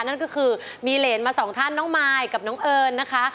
นั่นก็คือมีเหรนมาสองท่านน้องมายกับน้องเอิญนะคะ